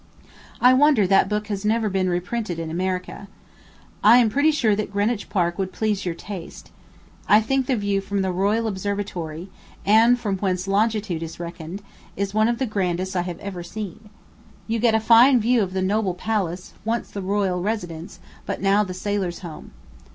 I wonder that book has never been reprinted in America. I am pretty sure that Greenwich Park would please your taste. I think the view from the Royal Observatory, and from whence longitude is reckoned, is one of the grandest I have ever seen. You get a fine view of the noble palace once the royal residence, but now the Sailor's Home.